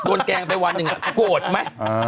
แกล้งไปวันหนึ่งโกรธไหม